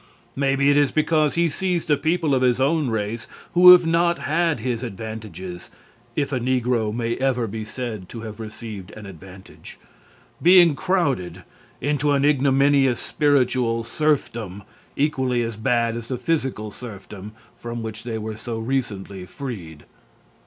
Maybe it is because he sees the people of his own race who have not had his advantages (if a negro may ever be said to have received an advantage) being crowded into an ignominious spiritual serfdom equally as bad as the physical serfdom from which they were so recently freed.